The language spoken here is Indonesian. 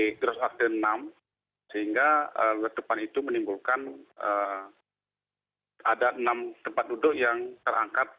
jadi terus aksi enam sehingga letupan itu menimbulkan ada enam tempat duduk yang terangkat